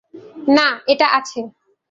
না, এটা আছে।